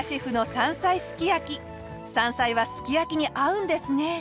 山菜はすき焼きに合うんですね。